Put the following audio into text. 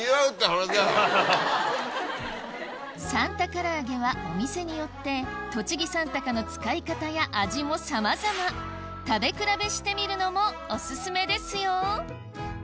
さんたからあげはお店によって栃木三鷹の使い方や味もさまざま食べ比べしてみるのもオススメですよ